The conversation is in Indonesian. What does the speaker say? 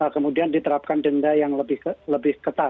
kemudian diterapkan denda yang lebih ketat